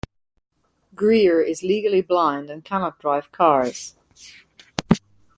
Greer is legally blind and cannot drive cars.